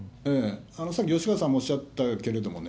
さっき吉川さんもおっしゃったけれどもね、